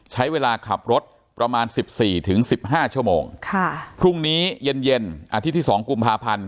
ใช้เวลาขับรถประมาณ๑๔๑๕ชั่วโมงพรุ่งนี้เย็นอาทิตย์ที่๒กุมภาพันธ์